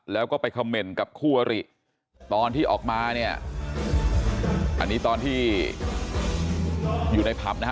แล้วก็ไปคำเมนต์กับคู่อริตอนที่ออกมาเนี่ยอันนี้ตอนที่อยู่ในผับนะฮะ